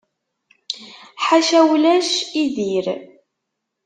Ḥaca ulac i dir.